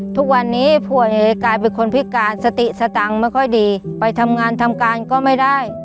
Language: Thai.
ทุกวันนี้ป่วยกลายเป็นคนพิการสติสตังค์ไม่ค่อยดีไปทำงานทำการก็ไม่ได้